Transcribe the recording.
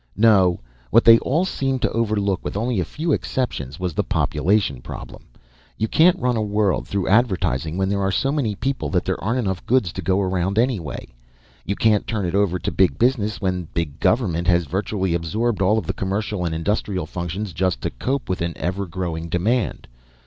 "No, what they all seemed to overlook, with only a few exceptions, was the population problem. You can't run a world through advertising when there are so many people that there aren't enough goods to go around anyway. You can't turn it over to big business when big government has virtually absorbed all of the commercial and industrial functions, just to cope with an ever growing demand.